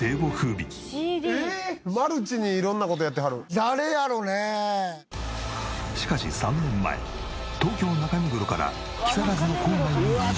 さらにしかし３年前東京中目黒から木更津の郊外に移住。